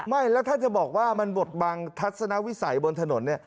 ไม่แล้วถ้าจะบอกว่ามันบทบังทัศนวิสัยบนถนนเนี่ย